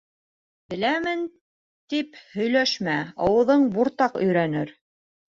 «Беләмен» тип һөйләшмә: ауыҙың буртаҡ өйрәнер.